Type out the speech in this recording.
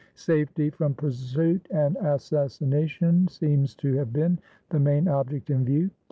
Safety from pursuit and assassination seems to have been the main object in view.